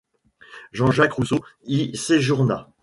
Jean-Jacques Rousseau y séjourna.